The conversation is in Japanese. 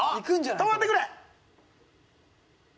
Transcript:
止まってくれ！